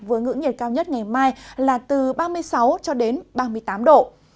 với ngưỡng nhiệt cao nhất ngày mai là từ ba mươi sáu ba mươi tám độ